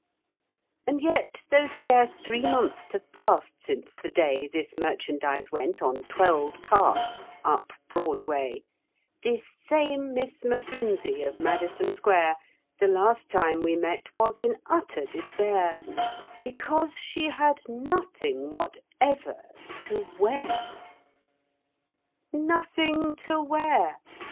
And yet, though scarce three months have passed since the day This merchandise went, on twelve carts, up Broadway, This same Miss M'Flimsey of Madison Square, The last time we met was in utter despair, Because she had nothing whatever to wear! Nothing to wear!